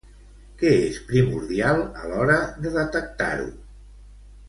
Què és primordial a l'hora de detectar-ho?